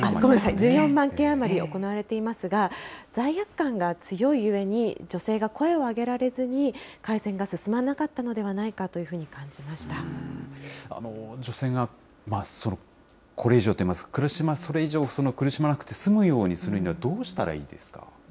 １４万件余り行われていますが、罪悪感が強いゆえに、女性が声を上げられずに、改善が進まなかったのではないかというふうに女性がこれ以上と言いますか、苦しまなくて済むようにするにはどうしたらいいですか。